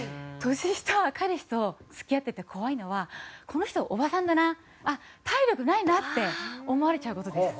年下彼氏と付き合ってて怖いのはこの人おばさんだなあっ体力ないなって思われちゃう事です。